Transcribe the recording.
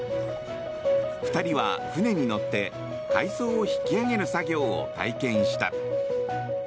２人は船に乗って、海藻を引き上げる作業を体験した。